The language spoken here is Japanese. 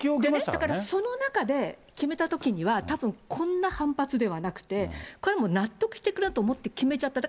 だからその中で決めたときには、たぶんこんな反発ではなくて、これはもう納得してくれると思って決めちゃった。